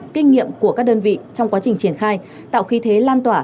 kinh nghiệm của các đơn vị trong quá trình triển khai tạo khí thế lan tỏa